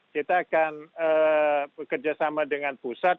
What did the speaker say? kita akan bekerjasama dengan pusat